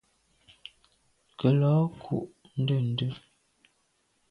Nkelô ku’ ndende.